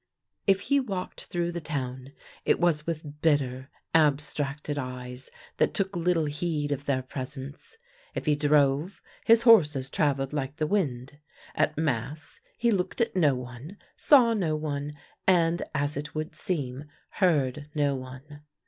If he walked through the town, it was with bitter, abstracted eyes that took little heed of their presence. If he drove, his horses travelled like the wind. At Mass he looked at no one, saw no one, and, as it would seem, heard no one.